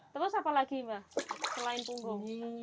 terus apa lagi mbak selain punggung